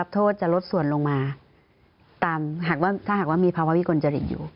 โทษจะลดส่วนลงมาถ้าหากว่ามีภาพวิกฎจริตอยู่